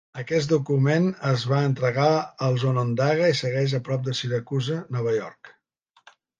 Aquest document es va entregar als onondaga i segueix a prop de Syracuse, Nova York.